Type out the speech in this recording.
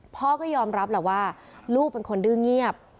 พ่อก็ยอมรับแหละว่าลูกเป็นคนดื้อเงียบ